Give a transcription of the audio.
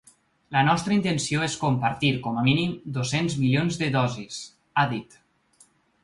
“La nostra intenció és compartir, com a mínim, dos-cents milions de dosis”, ha dit.